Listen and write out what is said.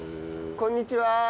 こんにちは。